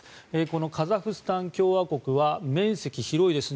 このカザフスタン共和国は面積が広いです。